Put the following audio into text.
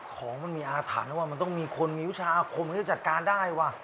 ของมันมีอาฐานนะว่ามันต้องมีคนมีวิวชาอาคมมันก็จะจัดการได้วะ